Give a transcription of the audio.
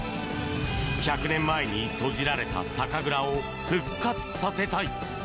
１００年前に閉じられた酒蔵を復活させたい。